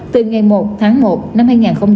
từ ngày một tháng một năm hai nghìn hai mươi